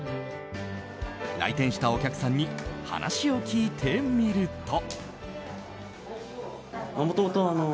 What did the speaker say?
来店したお客さんに話を聞いてみると。